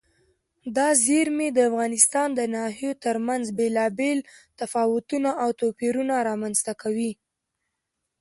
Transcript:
دا زیرمې د افغانستان د ناحیو ترمنځ بېلابېل تفاوتونه او توپیرونه رامنځ ته کوي.